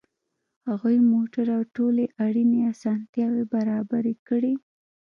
هغوی موټر او ټولې اړینې اسانتیاوې برابرې کړې